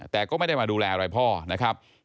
แต่ก็ไม่ได้มาดูแลอะไรพ่อนะครับ